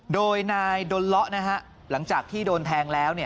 โดยนายดนเลาะนะฮะหลังจากที่โดนแทงแล้ว